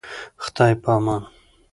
خداي پامان.